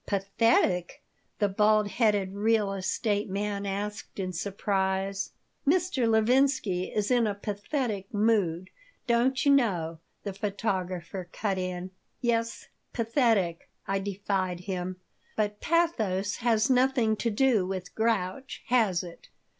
"Pathetic?" the bald headed real estate man asked in surprise "Mr. Levinsky is in a pathetic mood, don't you know," the photographer cut in. "Yes, pathetic," I defied him. "But pathos has nothing to do with grouch, has it?"